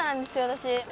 私。